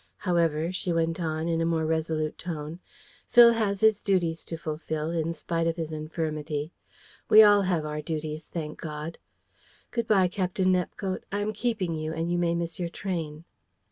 However," she went on, in a more resolute tone, "Phil has his duties to fulfil, in spite of his infirmity. We all have our duties, thank God. Good bye, Captain Nepcote. I am keeping you, and you may miss your train."